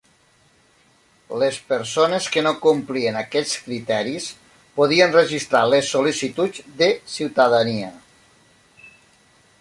Les persones que no complien aquests criteris podien registrar les sol·licituds de ciutadania.